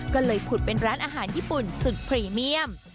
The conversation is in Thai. ก็เลยผุดเป็นร้านอาหารญี่ปุ่นสุดพรีเมียม